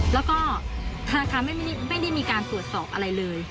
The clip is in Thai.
แล้วก็ธนาคารไม่ได้มีการตรวจสอบอะไรเลย